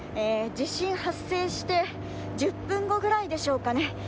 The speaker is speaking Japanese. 地震発生して１０分後ぐらいでしょうかね。